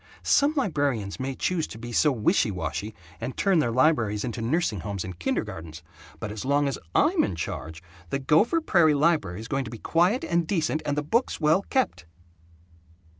Some librarians may choose to be so wishy washy and turn their libraries into nursing homes and kindergartens, but as long as I'm in charge, the Gopher Prairie library is going to be quiet and decent, and the books well kept!"